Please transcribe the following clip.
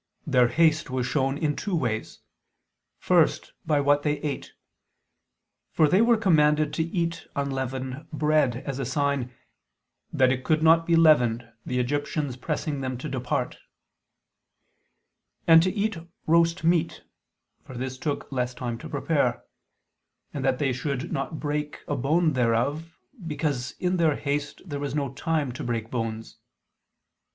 Their haste was shown in two ways. First by what they ate. For they were commanded to eat unleavened bread, as a sign "that it could not be leavened, the Egyptians pressing them to depart"; and to eat roast meat, for this took less time to prepare; and that they should not break a bone thereof, because in their haste there was no time to break bones.